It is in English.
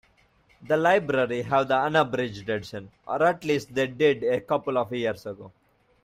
The library have the unabridged edition, or at least they did a couple of years ago.